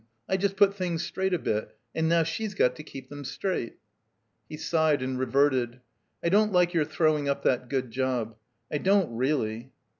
I just put things straight a bit, and now she's got to keep them straight." He sighed, and reverted. "I don't like your throwing up that good job. I don't reelly."